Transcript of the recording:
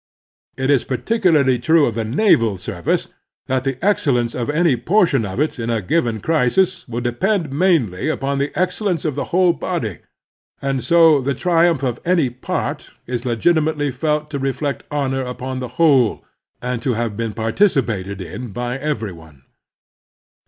It is particularly true of the naval service that the excellence of any portion of it in a given crisis will depend mainly upon the excellence of the whole body, and so the triumph of any part is legitimately felt to reflect honor upon the whole i9t The Strenuous Life and to have beai participated in by every one.